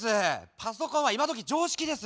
パソコンは今どき常識です。